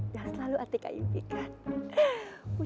yang selalu hati hati kan